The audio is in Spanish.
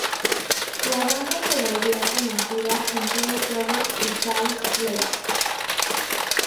La banda se volvió conocida en todo Provo y Salt Lake.